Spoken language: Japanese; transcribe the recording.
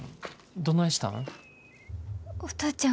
どないしたん？